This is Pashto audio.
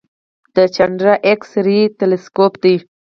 د چانډرا ایکس رې تلسکوپ دی.